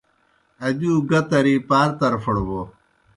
آ دِیؤ گاہ ترِی پار طرفَڑ بو۔